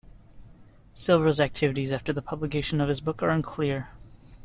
Silver's activities after the publication of his book are unclear.